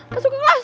masuk ke kelas